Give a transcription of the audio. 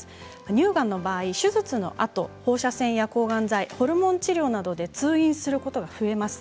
乳がんの場合、手術のあと放射線や抗がん剤ホルモン治療などで通院することが増えます。